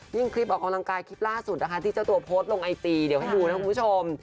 คลิปออกกำลังกายคลิปล่าสุดนะคะที่เจ้าตัวโพสต์ลงไอจีเดี๋ยวให้ดูนะคุณผู้ชม